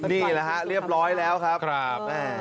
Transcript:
นี่แหละฮะเรียบร้อยแล้วครับ